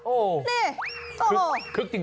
โอ้วคึกจริง